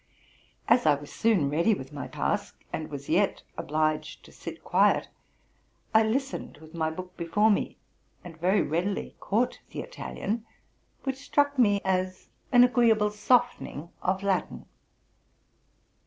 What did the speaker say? As I was soon ready with my task, and was yet obliged to sit quiet, I listened with my book before me, and very re eadily caught the Italian, which struck me as an agreeable softening of 'Latin.